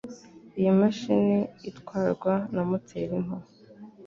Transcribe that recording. Iyi mashini itwarwa na moteri nto.